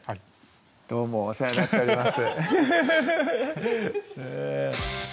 どうもお世話になっております